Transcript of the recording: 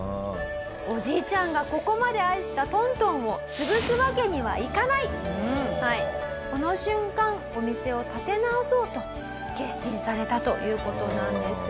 おじいちゃんがここまで愛した東東をこの瞬間お店を立て直そうと決心されたという事なんです。